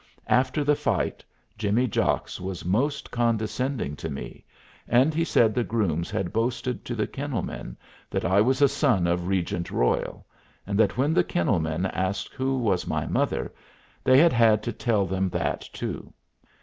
After the fight Jimmy Jocks was most condescending to me, and he said the grooms had boasted to the kennel men that I was a son of Regent Royal, and that when the kennel men asked who was my mother they had had to tell them that too.